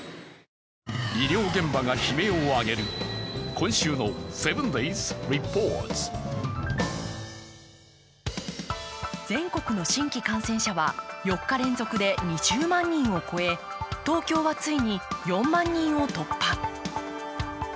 医療現場が悲鳴を上げる今週の「７ｄａｙｓリポート」全国の新規感染者は４日連続で２０万人を超え、東京は、ついに４万人を突破。